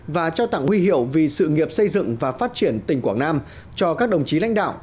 và trao tặng huy hiệu vì sự nghiệp xây dựng và phát triển tỉnh quảng nam cho các đồng chí lãnh đạo